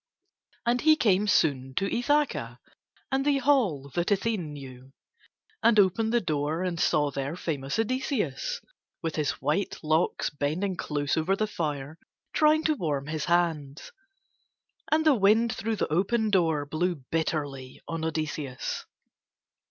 And he came soon to Ithaca and the hall that Athene knew, and opened the door and saw there famous Odysseus, with his white locks bending close over the fire, trying to warm his hands. And the wind through the open door blew bitterly on Odysseus.